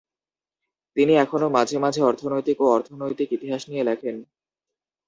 তিনি এখনও মাঝে মাঝে অর্থনৈতিক ও অর্থনৈতিক ইতিহাস নিয়ে লেখেন।